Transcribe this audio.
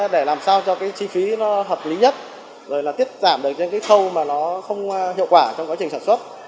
để làm sao cho chi phí hợp lý nhất rồi tiết giảm được trên cái khâu mà nó không hiệu quả trong quá trình sản xuất